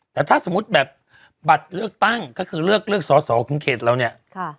แต่ถ้าสมมุติแบบบัตรเลือกตั้งก็คือเลือกเลือกสอสอของเขตเราเนี่ย